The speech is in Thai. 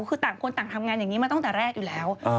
คือต่างคนต่างทำงานอย่างนี้มาตั้งแต่แรกอยู่แล้ว